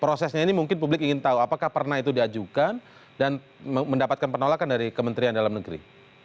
prosesnya ini mungkin publik ingin tahu apakah pernah itu diajukan dan mendapatkan penolakan dari kementerian dalam negeri